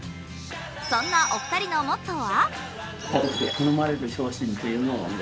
そんなお二人のモットーは？